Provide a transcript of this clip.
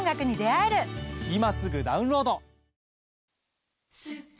今すぐダウンロード！